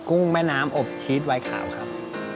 ุ้งแม่น้ำอบชีสวัยขาวครับ